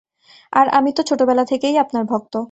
আর, আমি তো ছোটবেলা থেকেই আপনার ভক্ত!